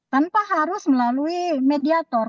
tanpa harus melalui mediator